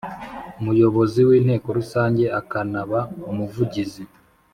Muyobozi w Inteko Rusange akanaba Umuvugizi